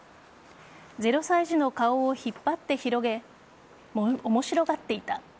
０歳児の顔を引っ張って広げ面白がっていた。